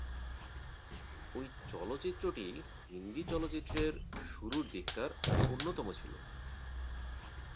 ঐ চলচ্চিত্রটি হিন্দি চলচ্চিত্রের শুরুর দিককার অন্যতম ছিল।